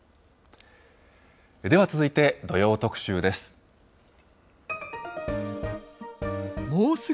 では続いて、土曜特集です。